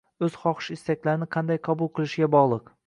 o‘z xohish-istaklarini qanday qabul qilishiga bog'liq.